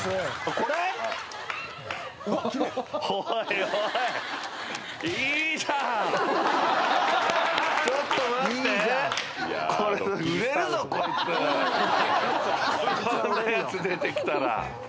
こんなやつ出てきたら。